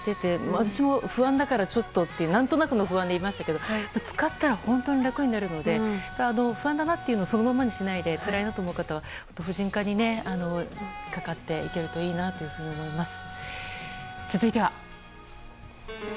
私も不安だからちょっとって何となくの不安でいましたけど使ったら本当に楽になるので不安だなというのをそのままにしないでつらいなと思う方は婦人科にかかっていけるといいなと思います。